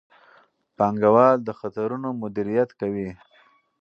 پانګوال د خطرونو مدیریت کوي.